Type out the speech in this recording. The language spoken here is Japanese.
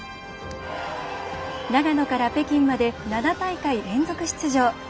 長野から北京まで７大会連続出場。